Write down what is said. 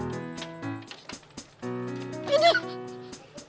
tahan lu adib adik